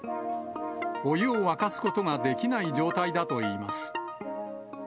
お湯を沸かすことができない状態だといいます。